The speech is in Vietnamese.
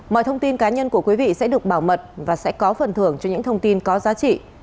mọi thông tin cá nhân của quý vị sẽ được bảo mật và sẽ có phần thưởng cho những thông tin có giá trị